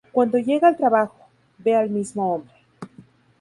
Cuando llega al trabajo, ve al mismo hombre.